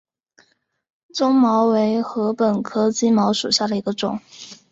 棕茅为禾本科金茅属下的一个种。